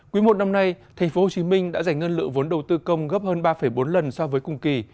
quý một năm nay tp hcm đã giải ngân lượng vốn đầu tư công gấp hơn ba bốn lần so với cùng kỳ